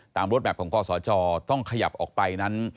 รถแบบของกศจต้องขยับออกไปนั้น